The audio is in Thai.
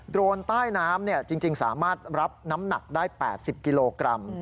โรนใต้น้ำจริงสามารถรับน้ำหนักได้๘๐กิโลกรัม